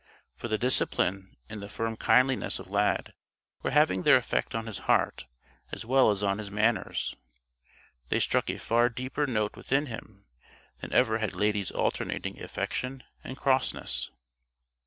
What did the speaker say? For the discipline and the firm kindliness of Lad were having their effect on his heart as well as on his manners. They struck a far deeper note within him than ever had Lady's alternating affection and crossness.